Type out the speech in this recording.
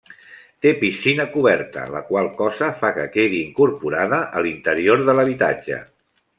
Té piscina coberta, la qual cosa fa que quedi incorporada a l'interior de l'habitatge.